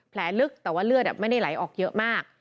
ลึกแต่ว่าเลือดไม่ได้ไหลออกเยอะมาก